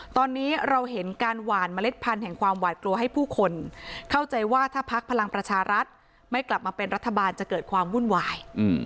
ตอนนี้เราเห็นการหวานเมล็ดพันธุ์แห่งความหวาดกลัวให้ผู้คนเข้าใจว่าถ้าพักพลังประชารัฐไม่กลับมาเป็นรัฐบาลจะเกิดความวุ่นวาย